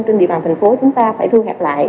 trên địa bàn thành phố chúng ta phải thu hẹp lại